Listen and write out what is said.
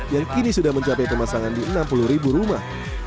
yang kini sudah mencapai pemasangan di enam puluh ribu rumah